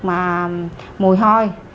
mà mùi hôi